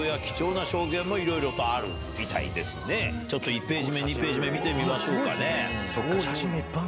１ページ目２ページ目見てみましょうかね。